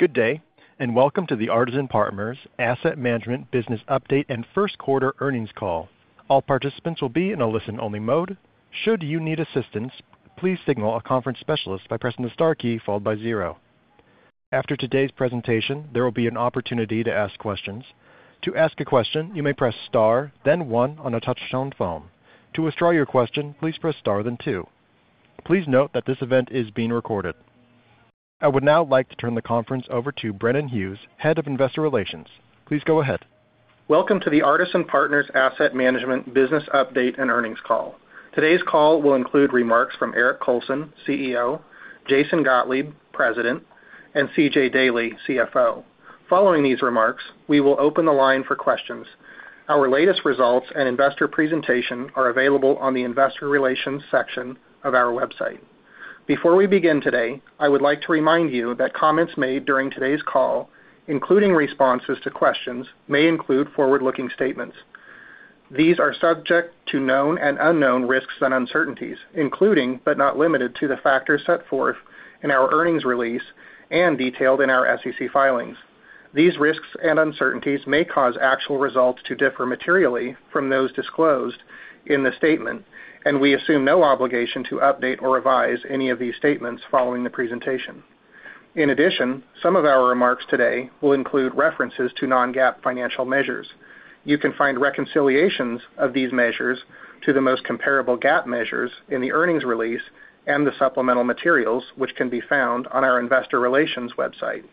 Good day, and welcome to the Artisan Partners Asset Management Business Update and Q1 Earnings Call. All participants will be in a listen-only mode. Should you need assistance, please signal a conference specialist by pressing the star key followed by zero. After today's presentation, there will be an opportunity to ask questions. To ask a question, you may press star, then one on a touch-tone phone. To withdraw your question, please press star, then two. Please note that this event is being recorded. I would now like to turn the conference over to Brennan Hughes, Head of Investor Relations. Please go ahead. Welcome to the Artisan Partners Asset Management Business Update and Earnings Call. Today's call will include remarks from Eric Colson, CEO; Jason Gottlieb, President; and C.J. Daley, CFO. Following these remarks, we will open the line for questions. Our latest results and investor presentation are available on the Investor Relations section of our website. Before we begin today, I would like to remind you that comments made during today's call, including responses to questions, may include forward-looking statements. These are subject to known and unknown risks and uncertainties, including but not limited to the factors set forth in our earnings release and detailed in our SEC filings. These risks and uncertainties may cause actual results to differ materially from those disclosed in the statement, and we assume no obligation to update or revise any of these statements following the presentation. In addition, some of our remarks today will include references to non-GAAP financial measures. You can find reconciliations of these measures to the most comparable GAAP measures in the earnings release and the supplemental materials, which can be found on our Investor Relations website.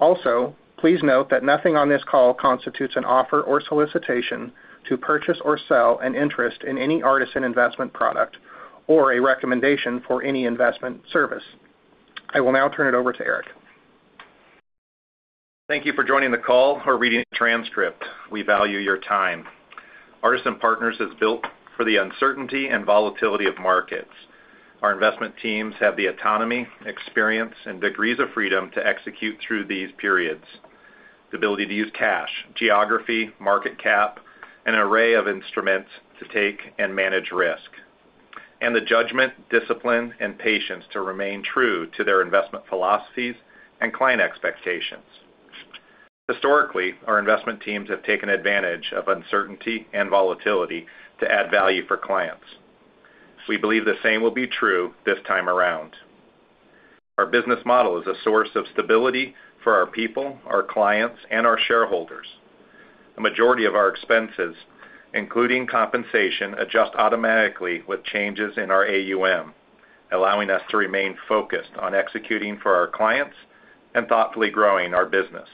Also, please note that nothing on this call constitutes an offer or solicitation to purchase or sell an interest in any Artisan investment product or a recommendation for any investment service. I will now turn it over to Eric. Thank you for joining the call or reading a transcript. We value your time. Artisan Partners has built for the uncertainty and volatility of markets. Our investment teams have the autonomy, experience, and degrees of freedom to execute through these periods. The ability to use cash, geography, market cap, and an array of instruments to take and manage risk, and the judgment, discipline, and patience to remain true to their investment philosophies and client expectations. Historically, our investment teams have taken advantage of uncertainty and volatility to add value for clients. We believe the same will be true this time around. Our business model is a source of stability for our people, our clients, and our shareholders. The majority of our expenses, including compensation, adjust automatically with changes in our AUM, allowing us to remain focused on executing for our clients and thoughtfully growing our business.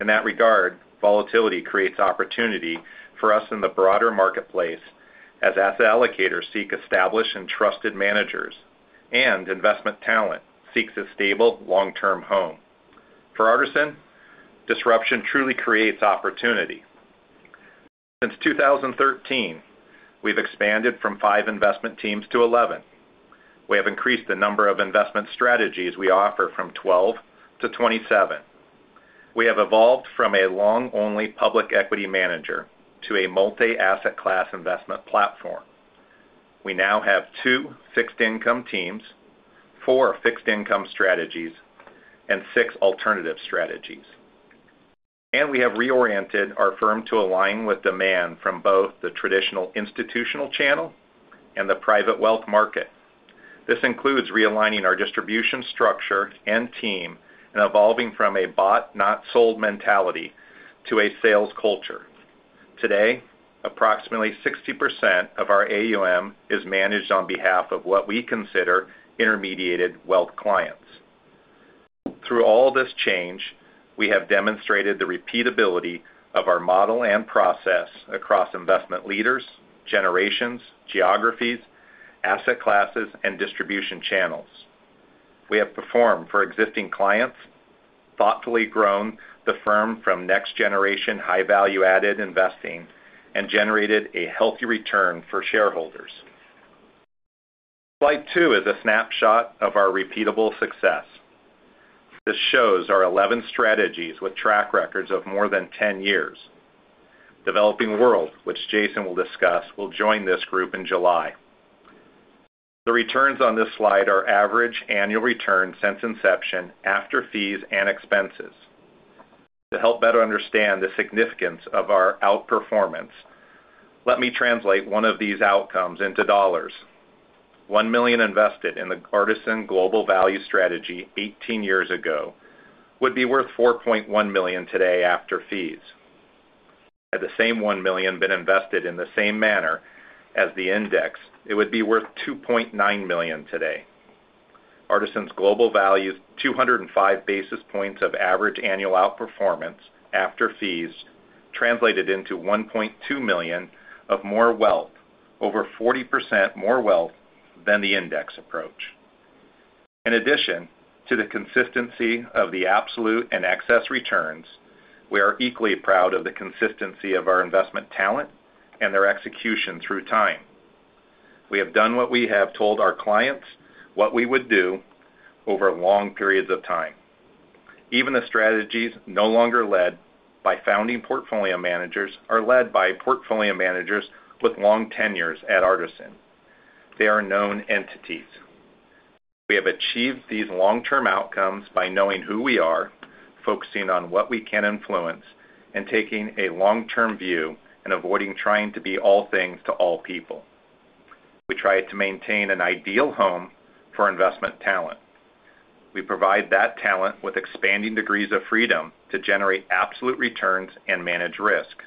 In that regard, volatility creates opportunity for us in the broader marketplace as asset allocators seek established and trusted managers, and investment talent seeks a stable, long-term home. For Artisan, disruption truly creates opportunity. Since 2013, we've expanded from five investment teams to 11. We have increased the number of investment strategies we offer from 12-27. We have evolved from a long-only public equity manager to a multi-asset class investment platform. We now have two fixed-income teams, four fixed-income strategies, and six alternative strategies. We have reoriented our firm to align with demand from both the traditional institutional channel and the private wealth market. This includes realigning our distribution structure and team and evolving from a bought-not-sold mentality to a sales culture. Today, approximately 60% of our AUM is managed on behalf of what we consider intermediated wealth clients. Through all this change, we have demonstrated the repeatability of our model and process across investment leaders, generations, geographies, asset classes, and distribution channels. We have performed for existing clients, thoughtfully grown the firm from next-generation high-value-added investing, and generated a healthy return for shareholders. Slide two is a snapshot of our repeatable success. This shows our 11 strategies with track records of more than 10 years. Developing World, which Jason will discuss, will join this group in July. The returns on this slide are average annual returns since inception after fees and expenses. To help better understand the significance of our outperformance, let me translate one of these outcomes into dollars. One million invested in the Artisan Global Value Strategy 18 years ago would be worth $4.1 million today after fees. Had the same $1 million been invested in the same manner as the index, it would be worth $2.9 million today. Artisan's Global Value's 205 basis points of average annual outperformance after fees translated into $1.2 million of more wealth, over 40% more wealth than the index approach. In addition to the consistency of the absolute and excess returns, we are equally proud of the consistency of our investment talent and their execution through time. We have done what we have told our clients we would do over long periods of time. Even the strategies no longer led by founding portfolio managers are led by portfolio managers with long tenures at Artisan. They are known entities. We have achieved these long-term outcomes by knowing who we are, focusing on what we can influence, and taking a long-term view and avoiding trying to be all things to all people. We try to maintain an ideal home for investment talent. We provide that talent with expanding degrees of freedom to generate absolute returns and manage risk.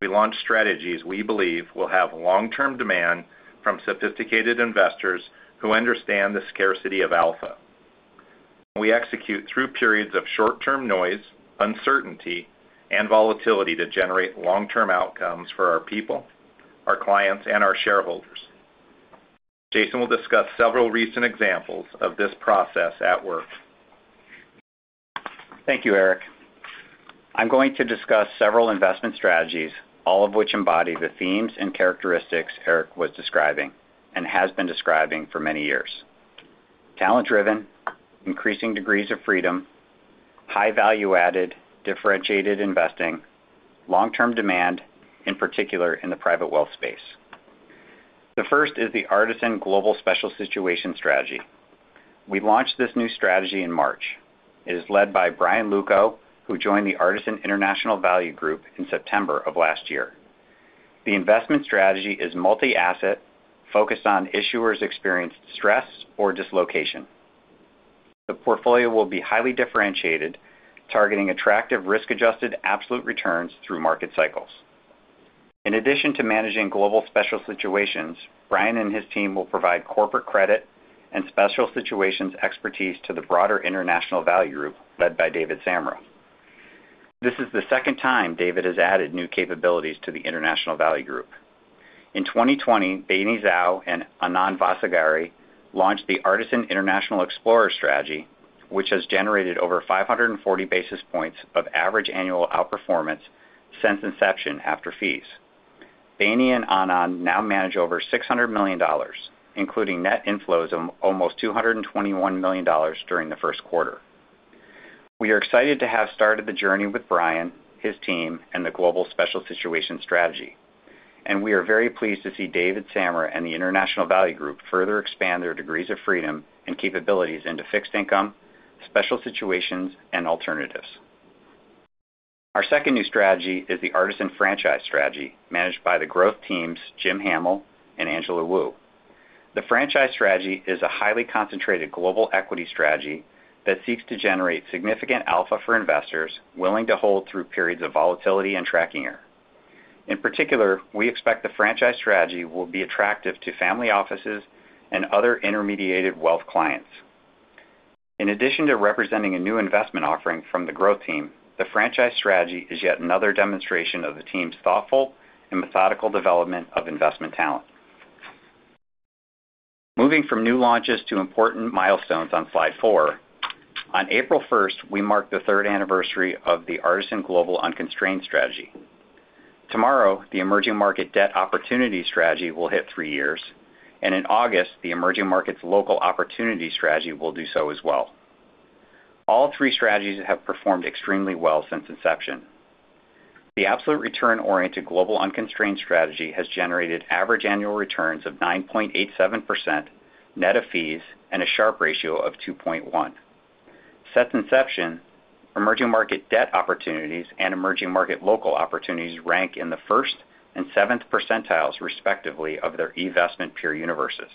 We launch strategies we believe will have long-term demand from sophisticated investors who understand the scarcity of alpha. We execute through periods of short-term noise, uncertainty, and volatility to generate long-term outcomes for our people, our clients, and our shareholders. Jason will discuss several recent examples of this process at work. Thank you, Eric. I'm going to discuss several investment strategies, all of which embody the themes and characteristics Eric was describing and has been describing for many years. Talent-driven, increasing degrees of freedom, high-value-added, differentiated investing, long-term demand, in particular in the private wealth space. The first is the Artisan Global Special Situations Strategy. We launched this new strategy in March. It is led by Bryan Locascio, who joined the Artisan International Value Group in September of last year. The investment strategy is multi-asset, focused on issuers' experienced stress or dislocation. The portfolio will be highly differentiated, targeting attractive risk-adjusted absolute returns through market cycles. In addition to managing global special situations, Bryan and his team will provide corporate credit and special situations expertise to the broader International Value Group led by David Samra. This is the second time David has added new capabilities to the International Value Group. In 2020, Beini Zhou and Anand Vasagiri launched the Artisan International Explorer Strategy, which has generated over 540 basis points of average annual outperformance since inception after fees. Beini and Anand now manage over $600 million, including net inflows of almost $221 million during the Q1. We are excited to have started the journey with Bryan, his team, and the Global Special Situations Strategy. We are very pleased to see David Samra and the International Value Group further expand their degrees of freedom and capabilities into fixed income, special situations, and alternatives. Our second new strategy is the Artisan Franchise Strategy, managed by the Growth Team, Jim Hamel and Jay Warner. The Franchise Strategy is a highly concentrated global equity strategy that seeks to generate significant alpha for investors willing to hold through periods of volatility and tracking error. In particular, we expect the Franchise Strategy will be attractive to family offices and other intermediated wealth clients. In addition to representing a new investment offering from the growth team, the Franchise Strategy is yet another demonstration of the team's thoughtful and methodical development of investment talent. Moving from new launches to important milestones on slide four, on April 1st, we marked the third anniversary of the Artisan Global Unconstrained Strategy. Tomorrow, the Emerging Markets Debt Opportunities Strategy will hit three years, and in August, the Emerging Markets Local Opportunities Strategy will do so as well. All three strategies have performed extremely well since inception. The absolute return-oriented Global Unconstrained Strategy has generated average annual returns of 9.87% net of fees and a Sharpe ratio of 2.1. Since inception, Emerging Markets Debt Opportunities and Emerging Markets Local Opportunities rank in the first and seventh percentiles, respectively, of their eVestment peer universes.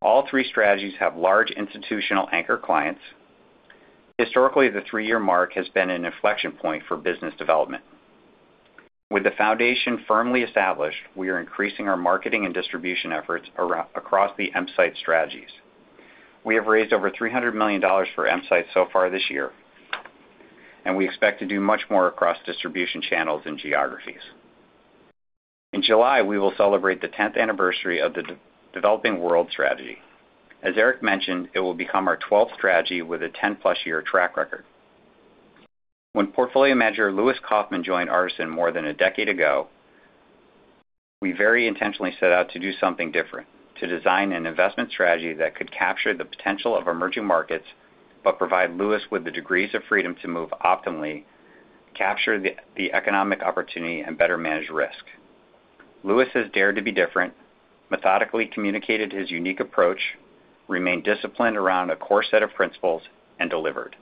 All three strategies have large institutional anchor clients. Historically, the three-year mark has been an inflection point for business development. With the foundation firmly established, we are increasing our marketing and distribution efforts across the EMsights strategies. We have raised over $300 million for EMsights so far this year, and we expect to do much more across distribution channels and geographies. In July, we will celebrate the 10th anniversary of the Developing World strategy. As Eric mentioned, it will become our 12th strategy with a 10-plus year track record. When portfolio manager Lewis Kaufman joined Artisan more than a decade ago, we very intentionally set out to do something different: to design an investment strategy that could capture the potential of emerging markets but provide Lewis with the degrees of freedom to move optimally, capture the economic opportunity, and better manage risk. Lewis has dared to be different, methodically communicated his unique approach, remained disciplined around a core set of principles, and delivered.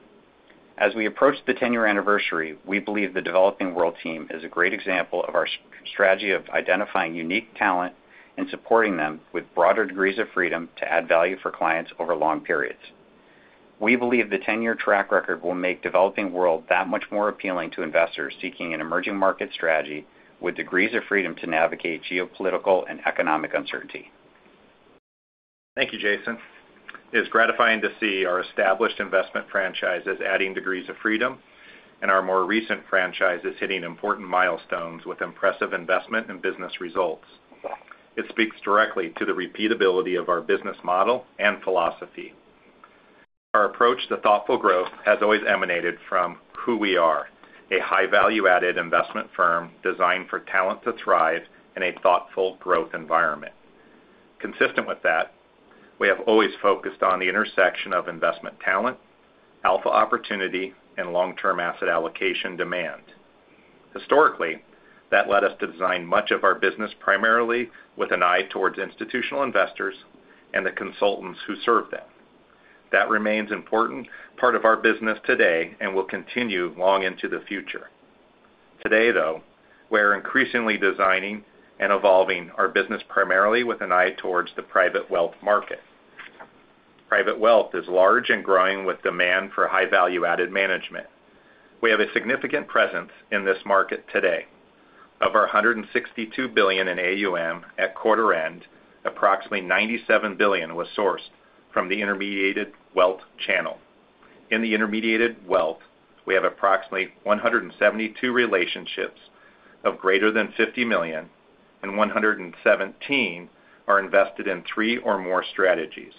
As we approach the 10-year anniversary, we believe the Developing World Team is a great example of our strategy of identifying unique talent and supporting them with broader degrees of freedom to add value for clients over long periods. We believe the 10-year track record will make Developing World that much more appealing to investors seeking an emerging market strategy with degrees of freedom to navigate geopolitical and economic uncertainty. Thank you, Jason. It is gratifying to see our established investment franchises adding degrees of freedom and our more recent franchises hitting important milestones with impressive investment and business results. It speaks directly to the repeatability of our business model and philosophy. Our approach to thoughtful growth has always emanated from who we are: a high-value-added investment firm designed for talent to thrive in a thoughtful growth environment. Consistent with that, we have always focused on the intersection of investment talent, alpha opportunity, and long-term asset allocation demand. Historically, that led us to design much of our business primarily with an eye towards institutional investors and the consultants who serve them. That remains an important part of our business today and will continue long into the future. Today, though, we are increasingly designing and evolving our business primarily with an eye towards the private wealth market. Private wealth is large and growing with demand for high-value-added management. We have a significant presence in this market today. Of our $162 billion in AUM at quarter end, approximately $97 billion was sourced from the intermediated wealth channel. In the intermediated wealth, we have approximately 172 relationships of greater than $50 million, and 117 are invested in three or more strategies.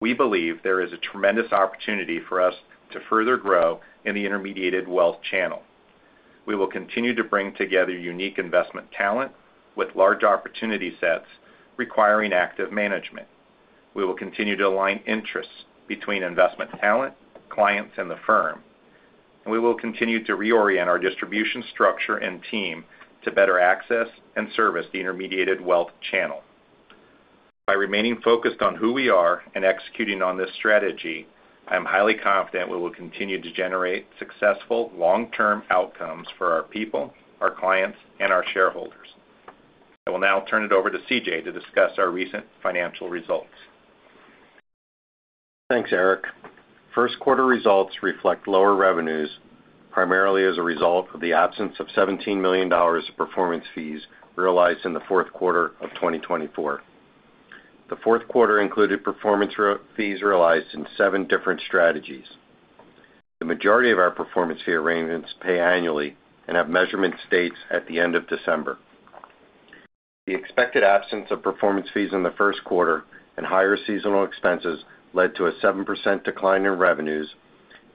We believe there is a tremendous opportunity for us to further grow in the intermediated wealth channel. We will continue to bring together unique investment talent with large opportunity sets requiring active management. We will continue to align interests between investment talent, clients, and the firm. We will continue to reorient our distribution structure and team to better access and service the intermediated wealth channel. By remaining focused on who we are and executing on this strategy, I am highly confident we will continue to generate successful long-term outcomes for our people, our clients, and our shareholders. I will now turn it over to C.J. to discuss our recent financial results. Thanks, Eric. Q1 results reflect lower revenues, primarily as a result of the absence of $17 million of performance fees realized in the Q4 of 2024. The Q4 included performance fees realized in seven different strategies. The majority of our performance fee arrangements pay annually and have measurement dates at the end of December. The expected absence of performance fees in the Q1 and higher seasonal expenses led to a 7% decline in revenues,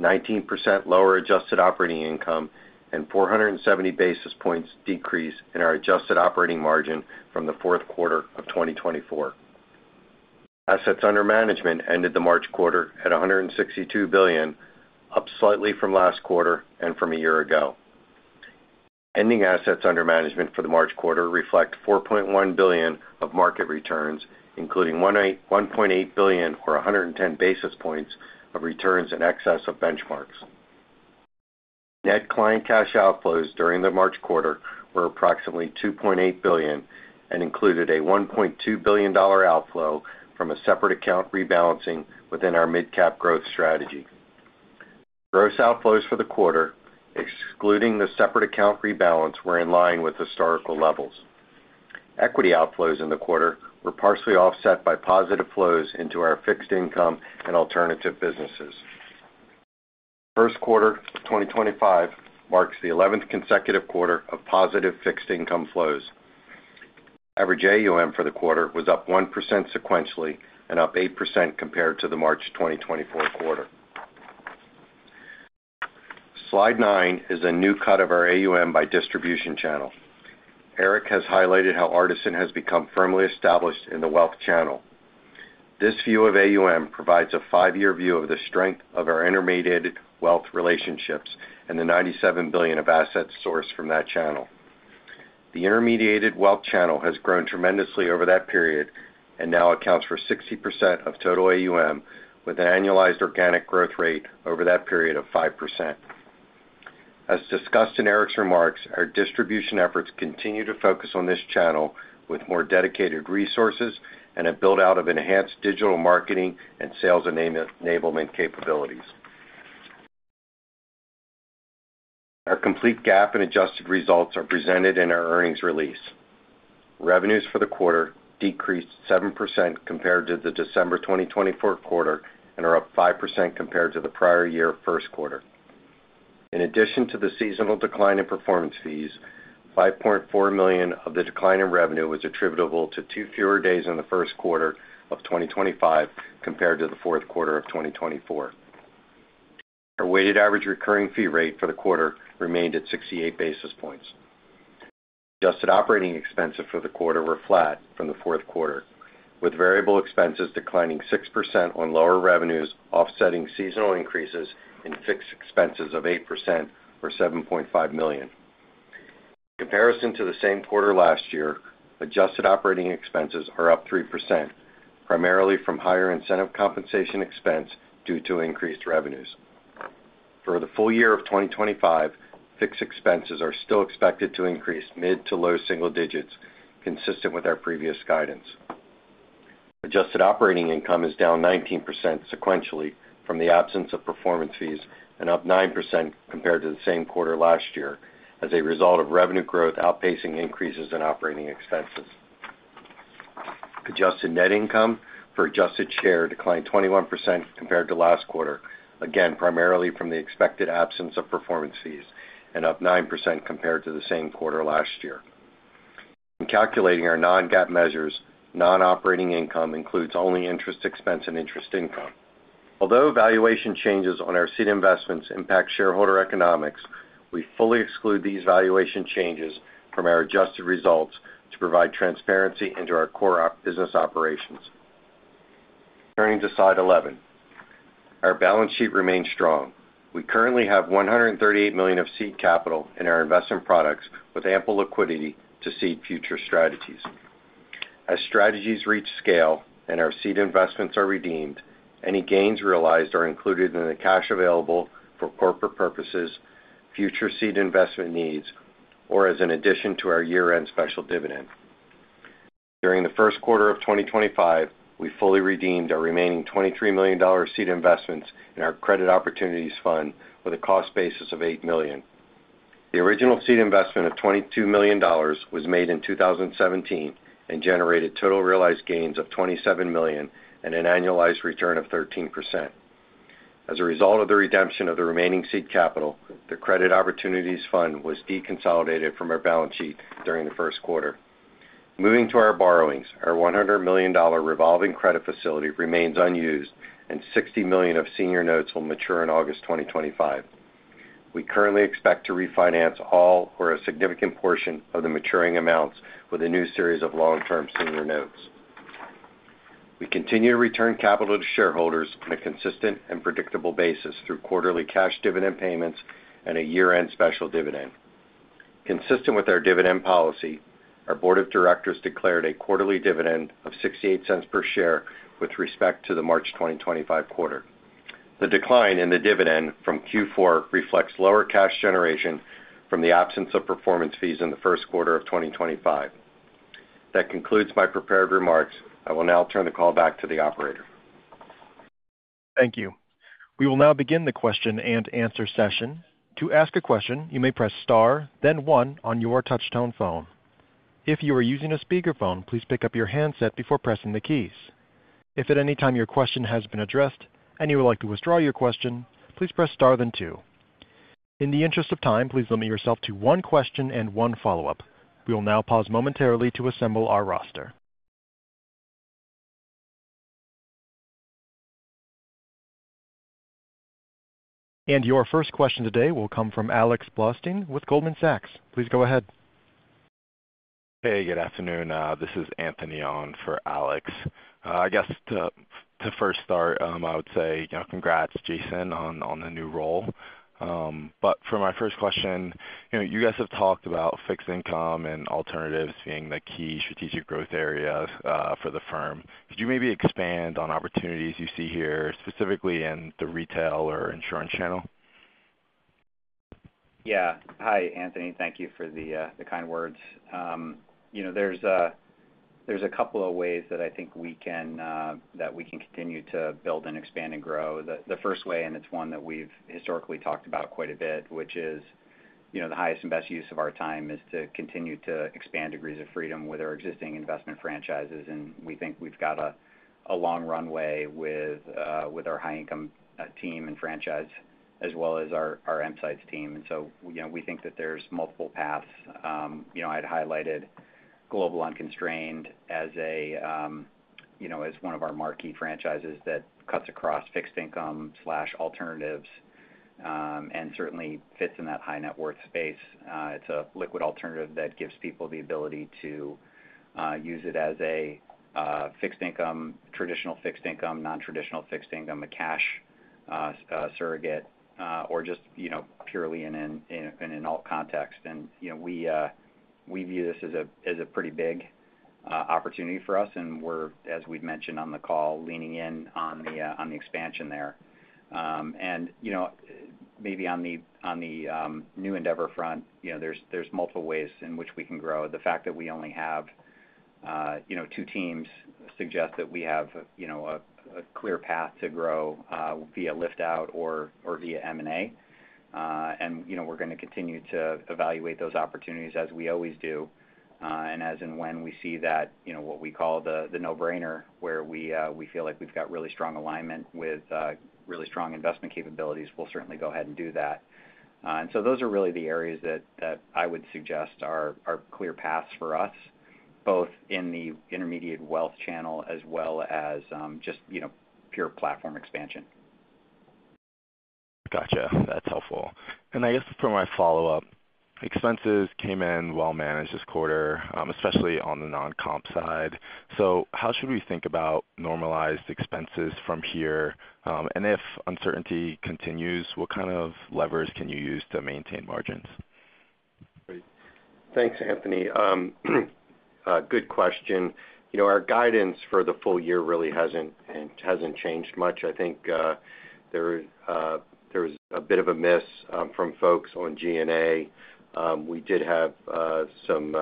19% lower adjusted operating income, and 470 basis points decrease in our adjusted operating margin from the Q4 of 2024. Assets under management ended the March quarter at $162 billion, up slightly from last quarter and from a year ago. Ending assets under management for the March quarter reflect $4.1 billion of market returns, including $1.8 billion, or 110 basis points, of returns in excess of benchmarks. Net client cash outflows during the March quarter were approximately $2.8 billion and included a $1.2 billion outflow from a separate account rebalancing within our Mid-Cap Growth Strategy. Gross outflows for the quarter, excluding the separate account rebalance, were in line with historical levels. Equity outflows in the quarter were partially offset by positive flows into our fixed income and alternative businesses. Q1 of 2025 marks the 11th consecutive quarter of positive fixed income flows. Average AUM for the quarter was up 1% sequentially and up 8% compared to the March 2024 quarter. Slide nine is a new cut of our AUM by distribution channel. Eric has highlighted how Artisan has become firmly established in the wealth channel. This view of AUM provides a five-year view of the strength of our intermediated wealth relationships and the $97 billion of assets sourced from that channel. The intermediated wealth channel has grown tremendously over that period and now accounts for 60% of total AUM, with an annualized organic growth rate over that period of 5%. As discussed in Eric's remarks, our distribution efforts continue to focus on this channel with more dedicated resources and a build-out of enhanced digital marketing and sales enablement capabilities. Our complete GAAP and adjusted results are presented in our earnings release. Revenues for the quarter decreased 7% compared to the December 2024 quarter and are up 5% compared to the prior year Q1. In addition to the seasonal decline in performance fees, $5.4 million of the decline in revenue was attributable to two fewer days in the Q1 of 2025 compared to the Q4 of 2024. Our weighted average recurring fee rate for the quarter remained at 68 basis points. Adjusted operating expenses for the quarter were flat from the Q4, with variable expenses declining 6% on lower revenues, offsetting seasonal increases in fixed expenses of 8%, or $7.5 million. In comparison to the same quarter last year, adjusted operating expenses are up 3%, primarily from higher incentive compensation expense due to increased revenues. For the full year of 2025, fixed expenses are still expected to increase mid to low single digits, consistent with our previous guidance. Adjusted operating income is down 19% sequentially from the absence of performance fees and up 9% compared to the same quarter last year as a result of revenue growth outpacing increases in operating expenses. adjusted net income per adjusted share declined 21% compared to last quarter, again primarily from the expected absence of performance fees and up 9% compared to the same quarter last year. In calculating our non-GAAP measures, non-operating income includes only interest expense and interest income. Although valuation changes on our seed investments impact shareholder economics, we fully exclude these valuation changes from our adjusted results to provide transparency into our core business operations. Turning to slide 11, our balance sheet remains strong. We currently have $138 million of seed capital in our investment products with ample liquidity to seed future strategies. As strategies reach scale and our seed investments are redeemed, any gains realized are included in the cash available for corporate purposes, future seed investment needs, or as an addition to our year-end special dividend. During the Q1 of 2025, we fully redeemed our remaining $23 million seed investments in our Credit Opportunities Fund with a cost basis of $8 million. The original seed investment of $22 million was made in 2017 and generated total realized gains of $27 million and an annualized return of 13%. As a result of the redemption of the remaining seed capital, the Credit Opportunities Fund was deconsolidated from our balance sheet during the Q1. Moving to our borrowings, our $100 million revolving credit facility remains unused, and $60 million of senior notes will mature in August 2025. We currently expect to refinance all or a significant portion of the maturing amounts with a new series of long-term senior notes. We continue to return capital to shareholders on a consistent and predictable basis through quarterly cash dividend payments and a year-end special dividend. Consistent with our dividend policy, our Board of Directors declared a quarterly dividend of $0.68 per share with respect to the March 2025 quarter. The decline in the dividend from Q4 reflects lower cash generation from the absence of performance fees in the Q1 of 2025. That concludes my prepared remarks. I will now turn the call back to the operator. Thank you. We will now begin the question and answer session. To ask a question, you may press star, then one on your touch-tone phone. If you are using a speakerphone, please pick up your handset before pressing the keys. If at any time your question has been addressed and you would like to withdraw your question, please press star, then two. In the interest of time, please limit yourself to one question and one follow-up. We will now pause momentarily to assemble our roster. Your first question today will come from Alex Blostein with Goldman Sachs. Please go ahead. Hey, good afternoon. This is Anthony on for Alex. I guess to first start, I would say congrats, Jason, on the new role. For my first question, you guys have talked about fixed income and alternatives being the key strategic growth area for the firm. Could you maybe expand on opportunities you see here, specifically in the retail or insurance channel? Yeah. Hi, Anthony. Thank you for the kind words. There's a couple of ways that I think we can continue to build and expand and grow. The first way, and it's one that we've historically talked about quite a bit, which is the highest and best use of our time is to continue to expand degrees of freedom with our existing investment franchises. We think we've got a long runway with our High Income Team and franchise, as well as our EMsights team. We think that there's multiple paths. I'd highlighted Global Unconstrained as one of our marquee franchises that cuts across fixed income/alternatives and certainly fits in that high-net-worth space. It's a liquid alternative that gives people the ability to use it as a fixed income, traditional fixed income, non-traditional fixed income, a cash surrogate, or just purely in an alt context. We view this as a pretty big opportunity for us. We're, as we've mentioned on the call, leaning in on the expansion there. Maybe on the new endeavor front, there's multiple ways in which we can grow. The fact that we only have two teams suggests that we have a clear path to grow via liftout or via M&A. We're going to continue to evaluate those opportunities as we always do. As and when we see that what we call the no-brainer, where we feel like we've got really strong alignment with really strong investment capabilities, we'll certainly go ahead and do that. Those are really the areas that I would suggest are clear paths for us, both in the intermediated wealth channel as well as just pure platform expansion. Gotcha. That's helpful. I guess for my follow-up, expenses came in well-managed this quarter, especially on the non-comp side. How should we think about normalized expenses from here? If uncertainty continues, what kind of levers can you use to maintain margins? Thanks, Anthony. Good question. Our guidance for the full year really has not changed much. I think there was a bit of a miss from folks on G&A. We did have some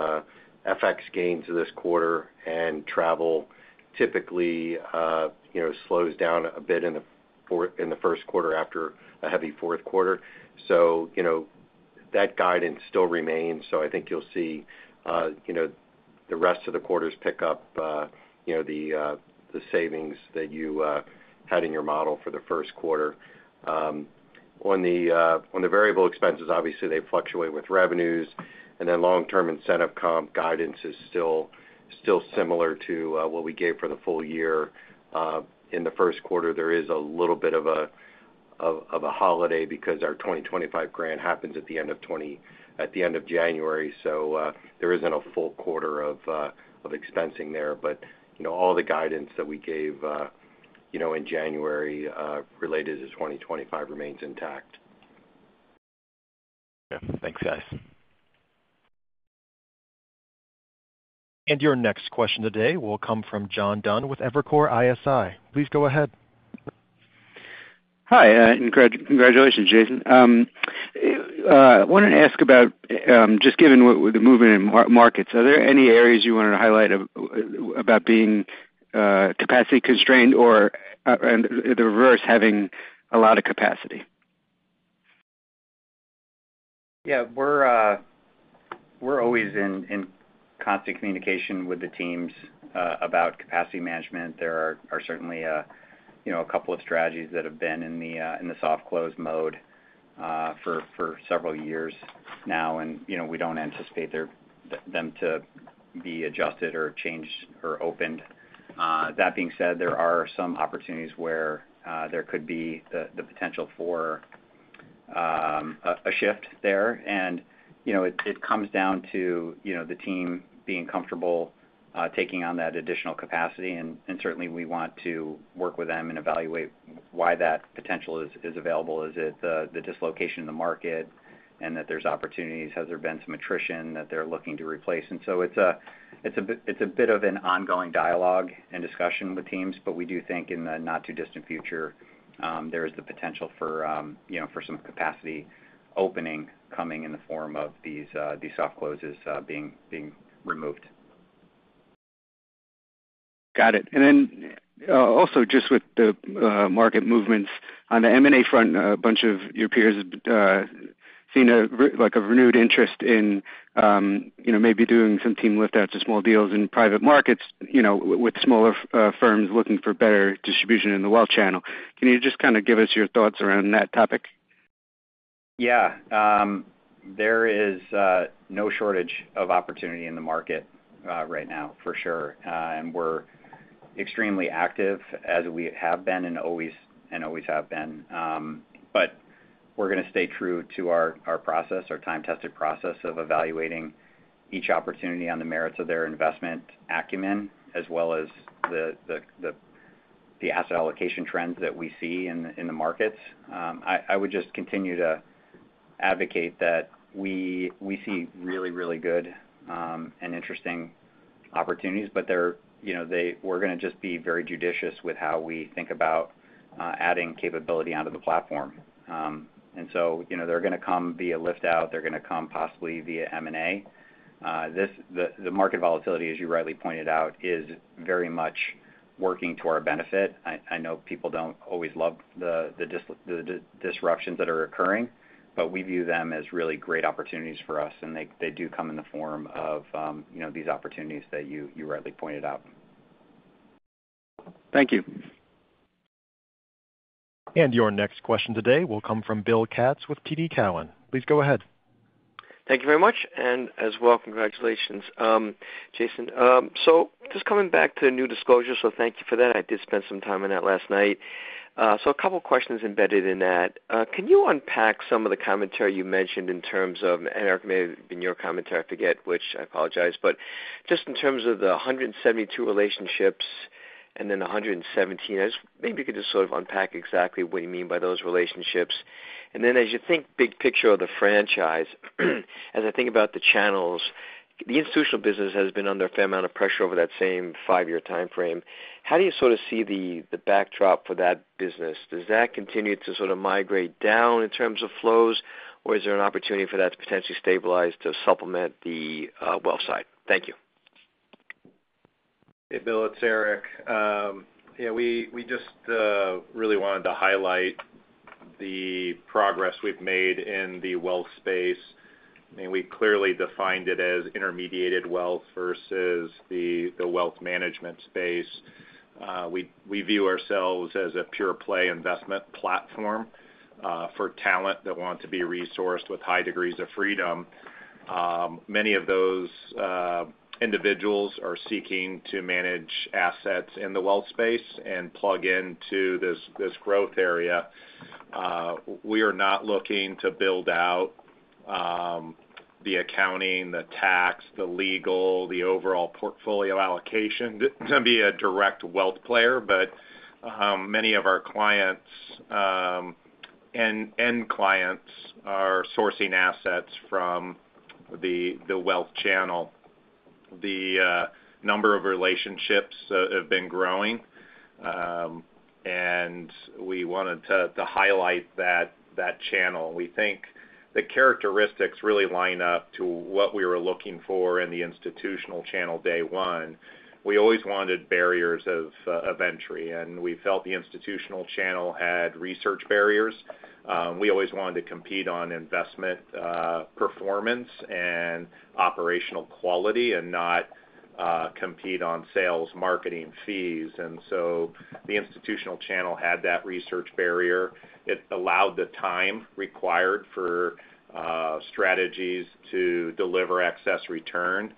FX gains this quarter, and travel typically slows down a bit in the Q1 after a heavy Q4. That guidance still remains. I think you will see the rest of the quarters pick up the savings that you had in your model for the Q1. On the variable expenses, obviously, they fluctuate with revenues. Long-term incentive comp guidance is still similar to what we gave for the full year. In the Q1, there is a little bit of a holiday because our 2025 grant happens at the end of January. There is not a full quarter of expensing there. All the guidance that we gave in January related to 2025 remains intact. Yeah. Thanks, guys. Your next question today will come from John Dunn with Evercore ISI. Please go ahead. Hi. Congratulations, Jason. I wanted to ask about, just given the movement in markets, are there any areas you wanted to highlight about being capacity constrained or, at the reverse, having a lot of capacity? Yeah. We're always in constant communication with the teams about capacity management. There are certainly a couple of strategies that have been in the soft-close mode for several years now, and we don't anticipate them to be adjusted or changed or opened. That being said, there are some opportunities where there could be the potential for a shift there. It comes down to the team being comfortable taking on that additional capacity. Certainly, we want to work with them and evaluate why that potential is available. Is it the dislocation in the market and that there's opportunities? Has there been some attrition that they're looking to replace? It's a bit of an ongoing dialogue and discussion with teams. We do think in the not-too-distant future, there is the potential for some capacity opening coming in the form of these soft closes being removed. Got it. Also, just with the market movements, on the M&A front, a bunch of your peers have seen a renewed interest in maybe doing some team liftouts or small deals in private markets with smaller firms looking for better distribution in the wealth channel. Can you just kind of give us your thoughts around that topic? Yeah. There is no shortage of opportunity in the market right now, for sure. We're extremely active, as we have been and always have been. We're going to stay true to our process, our time-tested process of evaluating each opportunity on the merits of their investment acumen, as well as the asset allocation trends that we see in the markets. I would just continue to advocate that we see really, really good and interesting opportunities. We're going to just be very judicious with how we think about adding capability onto the platform. They're going to come via liftout. They're going to come possibly via M&A. The market volatility, as you rightly pointed out, is very much working to our benefit. I know people do not always love the disruptions that are occurring, but we view them as really great opportunities for us. They do come in the form of these opportunities that you rightly pointed out. Thank you. Your next question today will come from Bill Katz with TD Cowen. Please go ahead. Thank you very much. And as well, congratulations, Jason. Just coming back to the new disclosure, thank you for that. I did spend some time on that last night. A couple of questions embedded in that. Can you unpack some of the commentary you mentioned in terms of—and it may have been your commentary, I forget which, I apologize—but just in terms of the 172 relationships and then 117. Maybe you could just sort of unpack exactly what you mean by those relationships. As you think big picture of the franchise, as I think about the channels, the institutional business has been under a fair amount of pressure over that same five-year timeframe. How do you sort of see the backdrop for that business? Does that continue to sort of migrate down in terms of flows, or is there an opportunity for that to potentially stabilize to supplement the wealth side? Thank you. Hey, Bill. It's Eric. Yeah, we just really wanted to highlight the progress we've made in the wealth space. I mean, we clearly defined it as intermediated wealth versus the wealth management space. We view ourselves as a pure-play investment platform for talent that want to be resourced with high degrees of freedom. Many of those individuals are seeking to manage assets in the wealth space and plug into this growth area. We are not looking to build out the accounting, the tax, the legal, the overall portfolio allocation to be a direct wealth player. Many of our clients are sourcing assets from the wealth channel. The number of relationships have been growing, and we wanted to highlight that channel. We think the characteristics really line up to what we were looking for in the institutional channel day one. We always wanted barriers of entry, and we felt the institutional channel had research barriers. We always wanted to compete on investment performance and operational quality and not compete on sales, marketing, fees. The institutional channel had that research barrier. It allowed the time required for strategies to deliver excess return.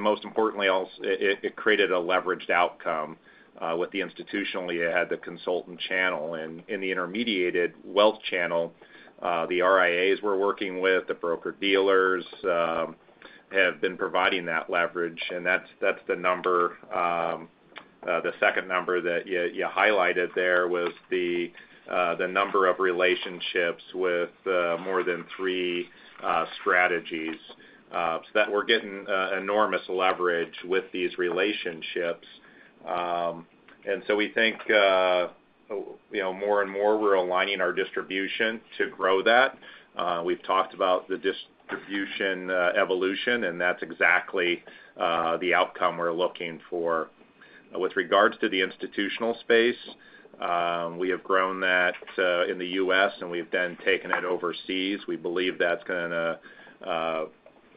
Most importantly, it created a leveraged outcome with the institutional. You had the consultant channel. In the intermediated wealth channel, the RIAs we're working with, the broker-dealers have been providing that leverage. The second number that you highlighted there was the number of relationships with more than three strategies. We are getting enormous leverage with these relationships. We think more and more we are aligning our distribution to grow that. We have talked about the distribution evolution, and that is exactly the outcome we are looking for. With regards to the institutional space, we have grown that in the U.S., and we've then taken it overseas. We believe that's going to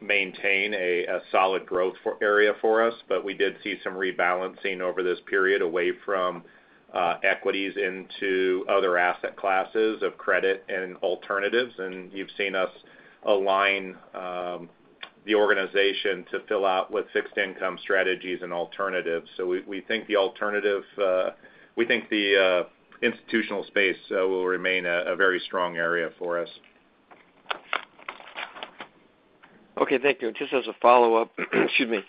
maintain a solid growth area for us. We did see some rebalancing over this period away from equities into other asset classes of credit and alternatives. You have seen us align the organization to fill out with fixed-income strategies and alternatives. We think the institutional space will remain a very strong area for us. Okay. Thank you. Just as a follow-up, excuse me,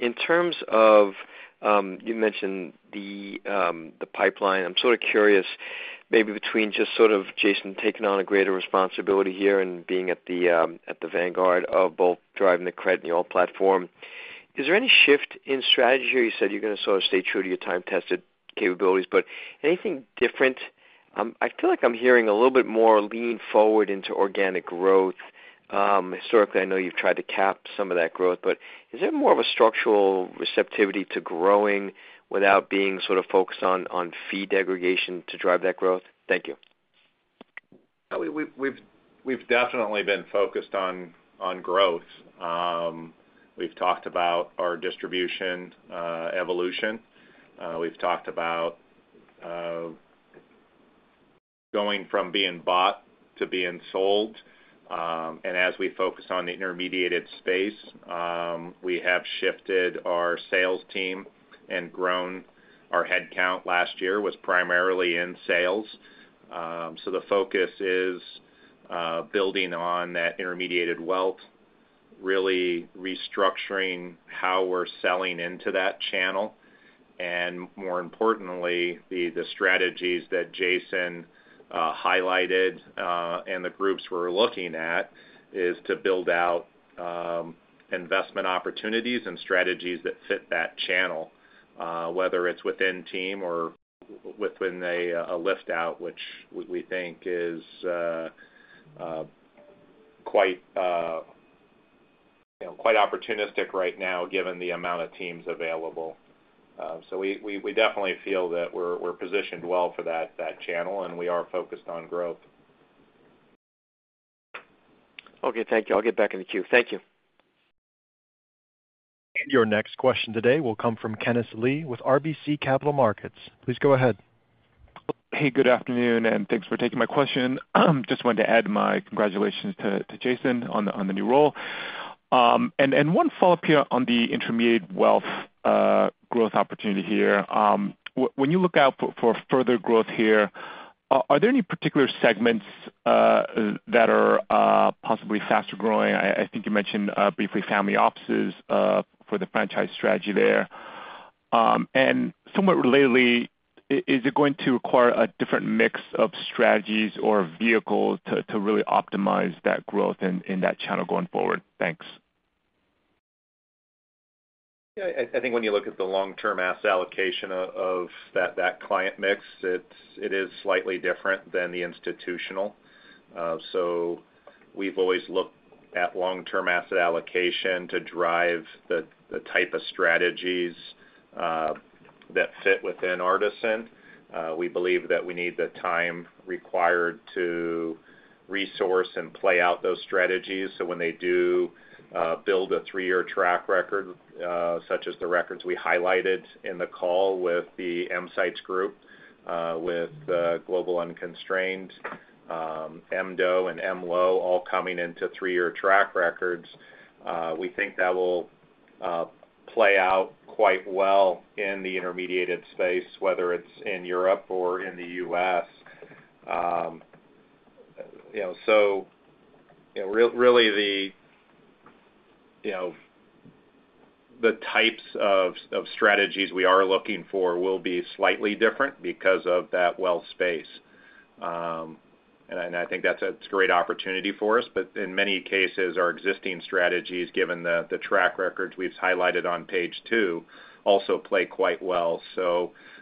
in terms of you mentioned the pipeline, I'm sort of curious maybe between just sort of, Jason, taking on a greater responsibility here and being at the vanguard of both driving the credit and the old platform, is there any shift in strategy? You said you're going to sort of stay true to your time-tested capabilities, but anything different? I feel like I'm hearing a little bit more lean forward into organic growth. Historically, I know you've tried to cap some of that growth, but is there more of a structural receptivity to growing without being sort of focused on fee degradation to drive that growth? Thank you. We've definitely been focused on growth. We've talked about our distribution evolution. We've talked about going from being bought to being sold. As we focus on the intermediated space, we have shifted our sales team and grown. Our headcount last year was primarily in sales. The focus is building on that intermediated wealth, really restructuring how we're selling into that channel. More importantly, the strategies that Jason highlighted and the groups we're looking at is to build out investment opportunities and strategies that fit that channel, whether it's within team or within a liftout, which we think is quite opportunistic right now given the amount of teams available. We definitely feel that we're positioned well for that channel, and we are focused on growth. Okay. Thank you. I'll get back in the queue. Thank you. Your next question today will come from Kenneth Lee with RBC Capital Markets. Please go ahead. Hey, good afternoon, and thanks for taking my question. Just wanted to add my congratulations to Jason on the new role. One follow-up here on the intermediated wealth growth opportunity here. When you look out for further growth here, are there any particular segments that are possibly faster growing? I think you mentioned briefly family offices for the franchise strategy there. Somewhat relatedly, is it going to require a different mix of strategies or vehicles to really optimize that growth in that channel going forward? Thanks. I think when you look at the long-term asset allocation of that client mix, it is slightly different than the institutional. We have always looked at long-term asset allocation to drive the type of strategies that fit within Artisan. We believe that we need the time required to resource and play out those strategies. When they do build a three-year track record, such as the records we highlighted in the call with the EMsights group, with Global Unconstrained, MDO, and MLO all coming into three-year track records, we think that will play out quite well in the intermediated space, whether it is in Europe or in the U.S. The types of strategies we are looking for will be slightly different because of that wealth space. I think that is a great opportunity for us. In many cases, our existing strategies, given the track records we've highlighted on page two, also play quite well.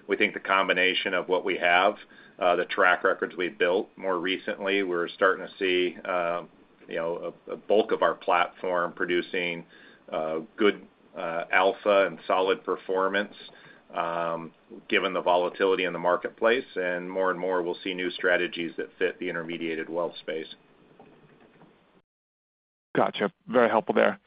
We think the combination of what we have, the track records we've built more recently, we're starting to see a bulk of our platform producing good alpha and solid performance given the volatility in the marketplace. More and more, we'll see new strategies that fit the intermediated wealth space. Gotcha. Very helpful there.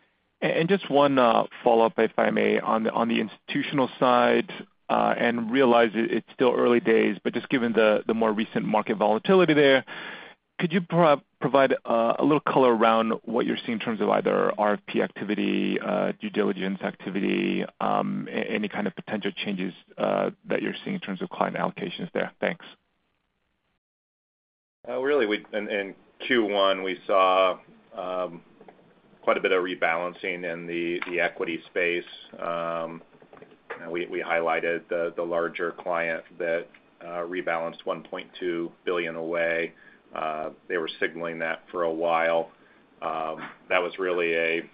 Just one follow-up, if I may, on the institutional side. I realize it's still early days, but just given the more recent market volatility there, could you provide a little color around what you're seeing in terms of either RFP activity, due diligence activity, any kind of potential changes that you're seeing in terms of client allocations there? Thanks. Really, in Q1, we saw quite a bit of rebalancing in the equity space. We highlighted the larger client that rebalanced $1.2 billion away. They were signaling that for a while. That was really a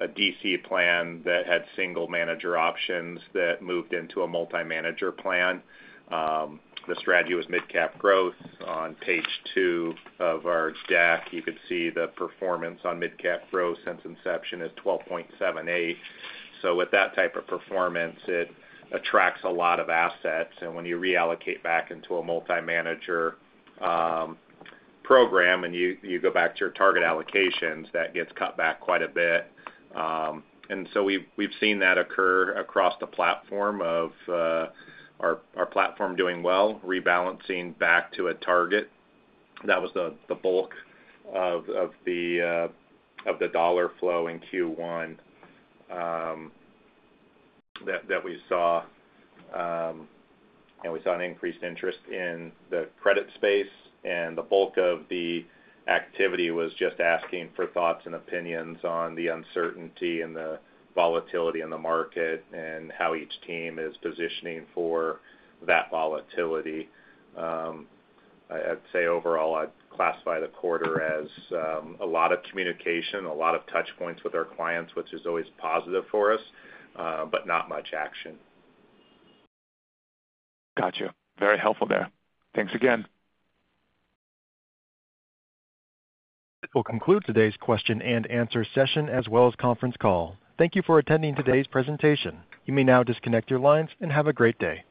DC plan that had single manager options that moved into a multi-manager plan. The strategy was Mid-Cap Growth. On page two of our deck, you could see the performance on Mid-Cap Growth since inception is 12.78%. With that type of performance, it attracts a lot of assets. When you reallocate back into a multi-manager program and you go back to your target allocations, that gets cut back quite a bit. We have seen that occur across the platform of our platform doing well, rebalancing back to a target. That was the bulk of the dollar flow in Q1 that we saw. We saw an increased interest in the credit space. The bulk of the activity was just asking for thoughts and opinions on the uncertainty and the volatility in the market and how each team is positioning for that volatility. I'd say overall, I'd classify the quarter as a lot of communication, a lot of touchpoints with our clients, which is always positive for us, but not much action. Gotcha. Very helpful there. Thanks again. This will conclude today's question and answer session as well as conference call. Thank you for attending today's presentation. You may now disconnect your lines and have a great day.